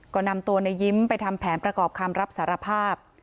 ก็นำตัวในยิ้มไปทำแผนประกอบคำรับสารภาพ